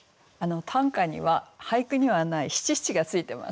短歌には俳句にはない七七がついてますね。